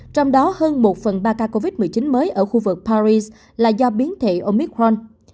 trong đó hơn một phần ba ca covid một mươi chín mới ở khu vực paris là do biến thể omicron